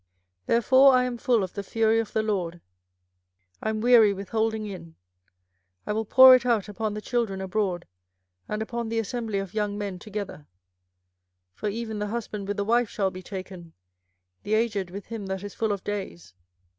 24:006:011 Therefore I am full of the fury of the LORD; I am weary with holding in: I will pour it out upon the children abroad, and upon the assembly of young men together: for even the husband with the wife shall be taken, the aged with him that is full of days.